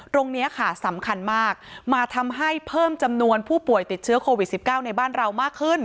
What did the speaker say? ตรงนี้ค่ะสำคัญมากมาทำให้เพิ่มจำนวนผู้ป่วยติดเชื้อโควิด๑๙ในบ้านเรามากขึ้น